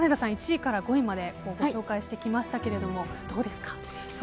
１位から５位までご紹介してきましたがどうですか。